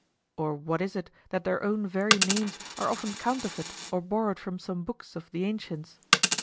Or what is it that their own very names are often counterfeit or borrowed from some books of the ancients?